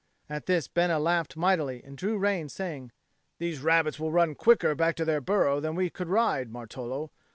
At this Bena laughed mightily, and drew rein, saying, "These rabbits will run quicker back to their burrow than we could ride, Martolo.